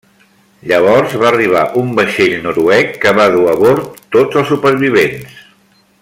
Llavors va arribar un vaixell noruec que va dur a bord tots els supervivents.